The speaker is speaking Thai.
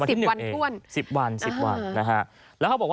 วันหนึ่งเองสิบวันสิบวันนะฮะแล้วเขาบอกว่า